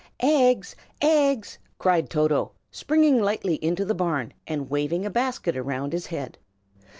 "EGGS! eggs!" cried Toto, springing lightly into the barn, and waving a basket round his head.